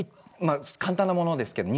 簡単なものですけど。